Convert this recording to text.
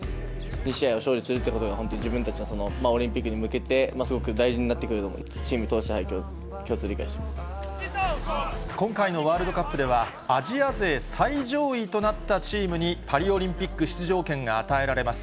２試合に勝利するっていうことが、本当に自分たちのオリンピックに向けて、すごく大事になってくると思うので、チームとして共通理解してま今回のワールドカップでは、アジア勢最上位となったチームに、パリオリンピック出場権が与えられます。